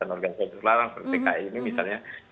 organisasi selarang seperti pki ini misalnya